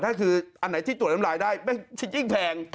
ถ้าคืออันไหนที่ตรวจเล็มไลน์ได้จะยิ่งแพง